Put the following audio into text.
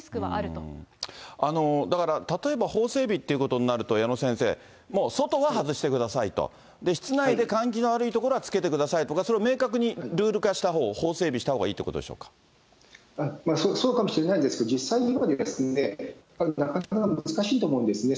だから例えば、法整備ということになると、矢野先生、もう外は外してくださいと、室内で換気の悪い所は着けてくださいとか、それを明確にルール化したほうが、法整備したほうがいいということそうかもしれないんですけど、実際には、なかなか難しいと思うんですね。